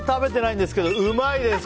まだ食べてないんですけどうまいです！